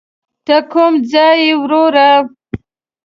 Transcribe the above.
ته کوم ځای یې وروره.